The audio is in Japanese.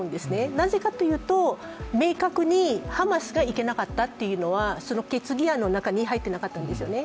なぜかというと、明確にハマスがいけなかったというのは決議案の中に入ってなかったんですよね。